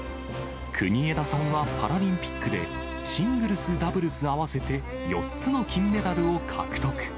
国枝さんはパラリンピックで、シングルス、ダブルス合わせて４つの金メダルを獲得。